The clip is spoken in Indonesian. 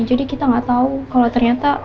jadi kita nggak tahu kalau ternyata